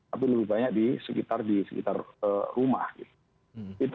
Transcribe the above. tapi lebih banyak di sekitar rumah gitu